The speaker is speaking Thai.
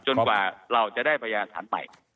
กว่าเราจะได้พยาฐานใหม่